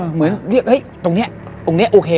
เหมือนตรงนี้โอเค